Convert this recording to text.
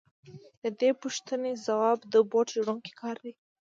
د دې پوښتنې ځواب د بوټ جوړونکي کار دی